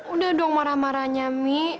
udah dong marah marahnya mi